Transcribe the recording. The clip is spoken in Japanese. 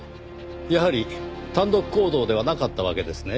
やはり単独行動ではなかったわけですね。